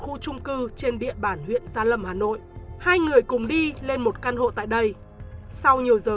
khu trung cư trên địa bàn huyện gia lâm hà nội hai người cùng đi lên một căn hộ tại đây sau nhiều giờ